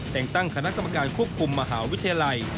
แต่งตั้งคณะกรรมการควบคุมมหาวิทยาลัย